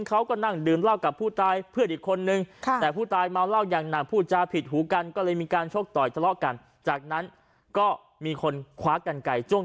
เขาก็นั่งดื่มเล่ากับผู้ตายเพื่อนอีกคนหนึ่ง